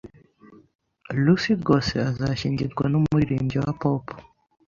Lucy rwose azashyingirwa numuririmbyi wa pop.